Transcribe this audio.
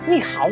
ini tidak baik